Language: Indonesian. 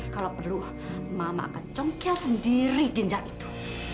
kalau perlu mama akan congkel sendiri ginjak itu